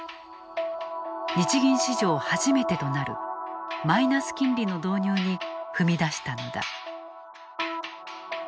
日銀史上初めてとなるマイナス金利の導入に踏み出したのだ。